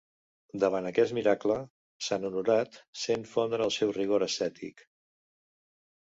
Davant aquest miracle, sant Honorat sent fondre el seu rigor ascètic.